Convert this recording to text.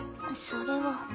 それは。